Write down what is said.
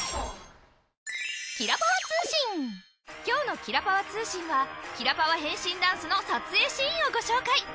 今日の「キラパワつうしん」はキラパワ変身ダンスの撮影シーンをご紹介。